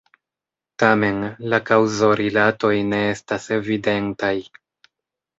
Tamen, la kaŭzorilatoj ne estas evidentaj.